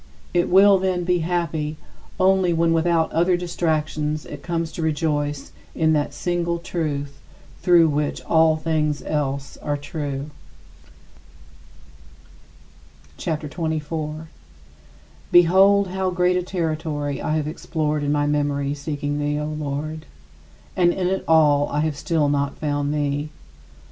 It will, then, be happy only when without other distractions it comes to rejoice in that single Truth through which all things else are true. CHAPTER XXIV 35. Behold how great a territory I have explored in my memory seeking thee, O Lord! And in it all I have still not found thee.